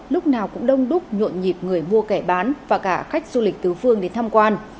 lúc nào cũng đông đúc nhộn nhịp người mua kẻ bán và cả khách du lịch tứ phương đến tham quan